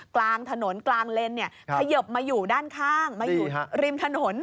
กลางถนนกลางเลนขยบมาอยู่ด้านข้างมาอยู่ริมถนน